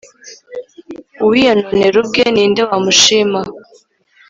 Uwiyononera ubwe, ni nde wamushima?